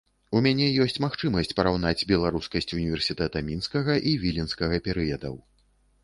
У мяне ёсць магчымасць параўнаць беларускасць універсітэта мінскага і віленскага перыядаў.